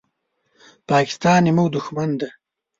پاکستان زمونږ دوښمن دی